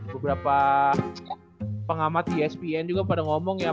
beberapa pengamat ispn juga pada ngomong ya